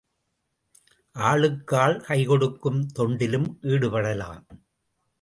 ஆளுக்கு ஆள் கைக்கொடுக்கும் தொண்டிலும் ஈடுபடலாம்.